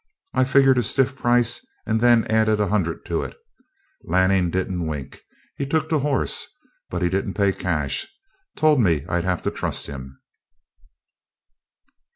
I figured a stiff price, and then added a hundred to it. Lanning didn't wink. He took the horse, but he didn't pay cash. Told me I'd have to trust him."